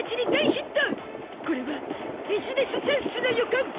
これはビジネスチャンスな予感